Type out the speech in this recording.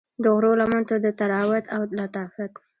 د غرو لمنو ته د طراوت او لطافت